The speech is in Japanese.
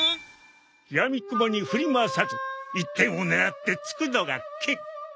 やみくもに振り回さず一点を狙って突くのが剣。